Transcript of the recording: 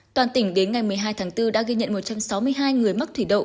toàn tỉnh đến ngày một mươi hai tháng bốn đã ghi nhận một trăm sáu mươi hai người mắc thủy đậu